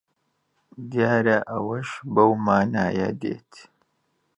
دیارە ئەوەش بەو مانایە دێت